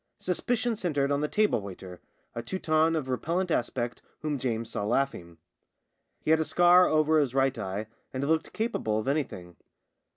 Suspicion centred on the table waiter, a Teuton of repellent aspect whom James saw laughing. He had a scar over 72 JAMES AND THE LAND MINE his right eye, and looked capable of any thing.